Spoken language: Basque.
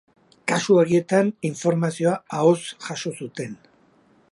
Kasu horietan, informazioa ahoz jaso zuten.